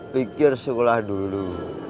pikir sekolah dulu